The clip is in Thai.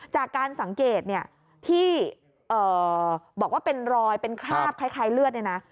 จากการสังเกตเนี่ยที่บอกว่าเป็นรอยเป็นคราบคล้ายเลือดเนี่ยนะ